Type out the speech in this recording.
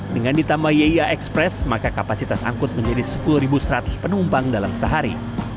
dengan ditambah yea express maka kapasitas angkut menjadi sepuluh seratus penumpang dalam sehari